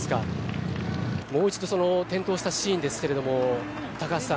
もう一度その転倒したシーンですけれども高橋さん